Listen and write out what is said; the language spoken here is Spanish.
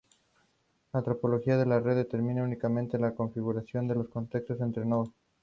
La topología de red la determina únicamente la configuración de las conexiones entre nodos.